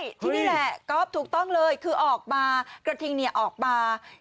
ที่นี่แหละก๊อฟถูกต้องเลยคือออกมากระทิงเนี่ยออกมา